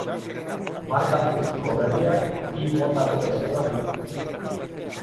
Marka turistiko berriak bi motako bezeroak ditu.